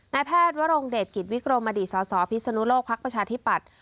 นายแพทย์วโรงเดชกิตวิกรมอสพฤศนุโลกภักดิ์ประชาธิบัติ